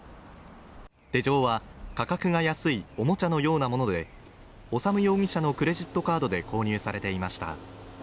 手錠は価格が安いおもちゃのようなもので修容疑者のクレジットカードで購入されていました。